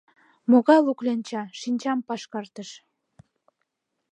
— «Могай лу кленча?» — шинчам пашкартыш.